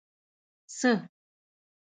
څه